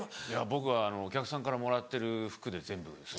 僕はお客さんからもらってる服で全部。